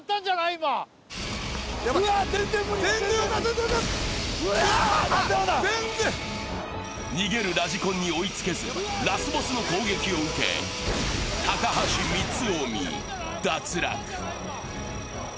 今逃げるラジコンに追いつけず、ラスボスの攻撃を受け、高橋光臣、脱落。